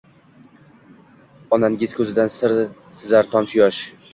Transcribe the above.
Onangiz ko’zidan sizar tomchi yosh.